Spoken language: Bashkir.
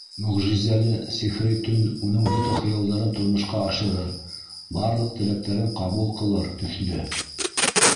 Мөғжизәле, сихри төн уның бөтә хыялдарын тормошҡа ашырыр, барлыҡ теләктәрен ҡабул ҡылыр төҫлө.